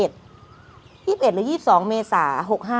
๒๑หรือ๒๒เมษา๖๕